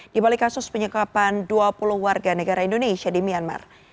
di balik kasus penyekapan dua puluh warga negara indonesia di myanmar